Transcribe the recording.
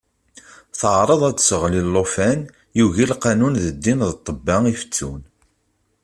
Teɛreḍ akk ad d-tesseɣli llufan yugi lqanun d ddin d ṭebba ifettun.